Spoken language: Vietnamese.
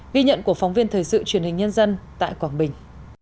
ghi nhận của phóng viên thời sự truyền hình nhân dân tại quảng bình